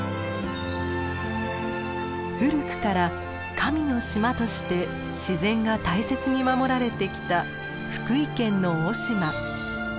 古くから「神の島」として自然が大切に守られてきた福井県の雄島。